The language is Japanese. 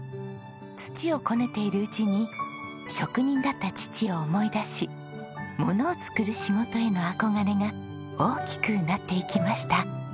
土をこねているうちに職人だった父を思い出しものを作る仕事への憧れが大きくなっていきました。